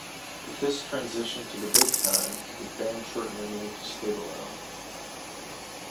With this transition to the big time, the band shortened their name to Stabilo.